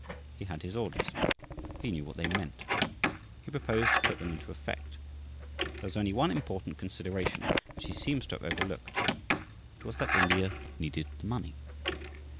He had his orders. He knew what they meant. He proposed to put them into effect. There was only one important consideration which he seems to have overlooked it was that India "needed the money."